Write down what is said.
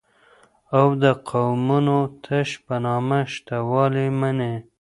او دقومونو تش په نامه شته والى مني